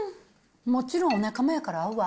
もちろんお仲間やから合うわ。